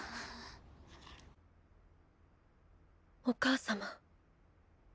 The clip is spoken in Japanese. お母様。